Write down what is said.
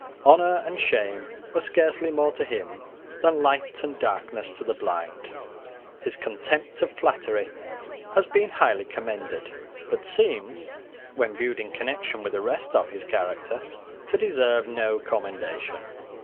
Honour and shame were scarcely more to him than light and darkness to the blind. His contempt of flattery has been highly commended, but seems, when viewed in connection with the rest of his character, to deserve no commendation.